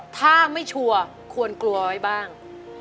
ถ้าไม่ชัวร์ควรกลัวไว้บ้าง